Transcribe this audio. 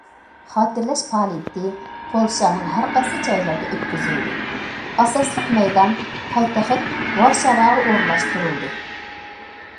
خاتىرىلەش پائالىيىتى پولشانىڭ ھەر قايسى جايلىرىدا ئۆتكۈزۈلدى، ئاساسلىق مەيدان پايتەخت ۋارشاۋاغا ئورۇنلاشتۇرۇلدى.